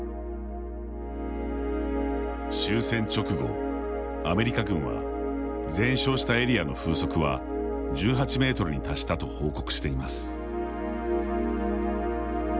終戦直後、アメリカ軍は全焼したエリアの風速は１８メートルに達したと報告しています。